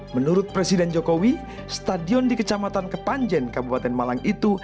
menurut presiden jokowi stadion di kecamatan kepanjen kabupaten malang itu